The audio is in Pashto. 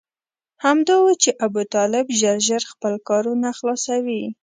همدا و چې ابوطالب ژر ژر خپل کارونه خلاصوي.